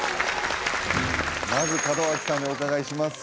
まず門脇さんにお伺いします